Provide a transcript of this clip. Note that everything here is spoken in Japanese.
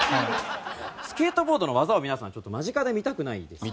スケートボードの技を皆さんちょっと間近で見たくないですか？